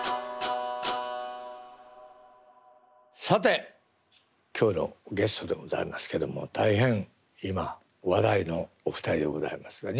さて今日のゲストでございますけども大変今話題のお二人でございます。